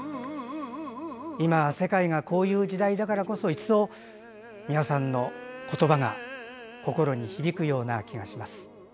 今、世界がこういう時代だからこそ一層、美輪さんの言葉が心に響くような気がします。